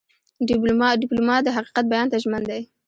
ډيپلومات د حقیقت بیان ته ژمن دی.